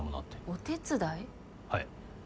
はい。